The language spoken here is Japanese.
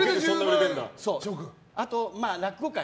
あと、落語界。